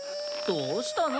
どうしたの？